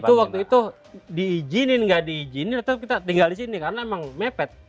itu waktu itu diizinin nggak diizinin kita tinggal di sini karena memang mepet